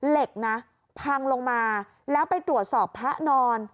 เหล็กนะพังลงมาแล้วไปตรวจสอบพระนอน